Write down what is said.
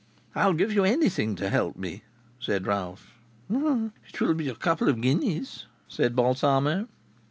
"I'll give you anything to help me," said Ralph. "It will be a couple of guineas," said Balsamo.